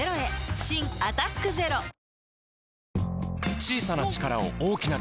新「アタックＺＥＲＯ」お？